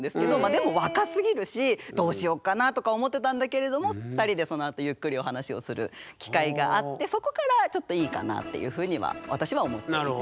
でも若すぎるしどうしようかなとか思ってたんだけれども２人でそのあとゆっくりお話をする機会があってそこからちょっといいかなっていうふうには私は思っていた。